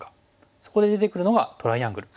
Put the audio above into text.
そこで出てくるのがトライアングル。